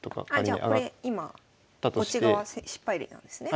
あじゃあこれ今こっち側失敗例なんですね？